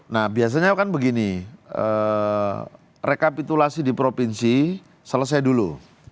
nah biasanya kan begini rekapitulasi di provinsi selesai dulu